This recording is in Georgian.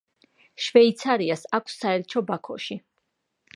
შვეიცარიას აქვს საელჩო ბაქოში.